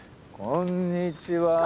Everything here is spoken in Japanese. こんにちは。